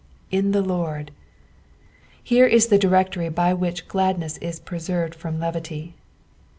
'■' In the Lord." Here is the directory by which gladneB« is preserved from levity.